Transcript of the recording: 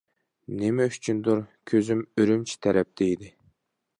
نېمە ئۈچۈندۇر كۆزۈم ئۈرۈمچى تەرەپتە ئىدى.